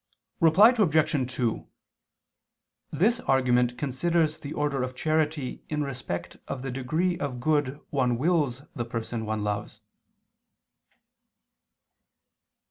Reply Obj. 2: This argument considers the order of charity in respect of the degree of good one wills the person one loves.